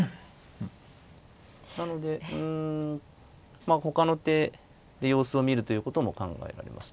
なのでうんまあほかの手で様子を見るということも考えられますね。